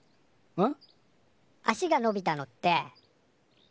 うん。